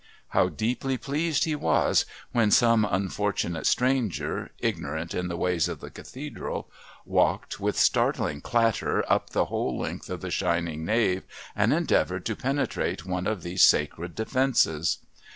How deeply pleased he was when some unfortunate stranger, ignorant in the ways of the Cathedral, walked, with startling clatter, up the whole length of the shining nave and endeavoured to penetrate one of these sacred defences!